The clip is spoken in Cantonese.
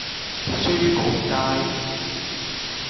書局街